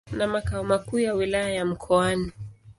na makao makuu ya Wilaya ya Mkoani.